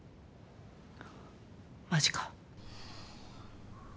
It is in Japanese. マジか。